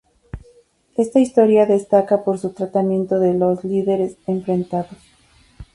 Esta historia destaca por su tratamiento de los dos líderes enfrentados.